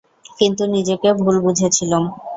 কিন্তু নিজেকে ভুল বুঝেছিলুম।